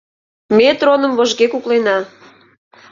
Ме троным вожге куклена.